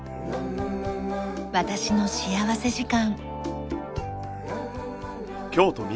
『私の幸福時間』。